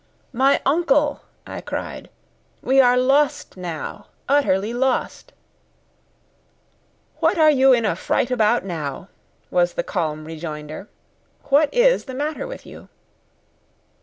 "My uncle," I cried, "we are lost now, utterly lost!" "What are you in a fright about now?" was the calm rejoinder. "What is the matter with you?"